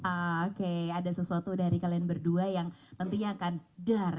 oke ada sesuatu dari kalian berdua yang tentunya akan dar